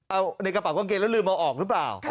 เอาในกระเป๋ากางเกงแล้วลืมเอาออกหรือเปล่า